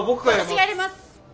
私がやります！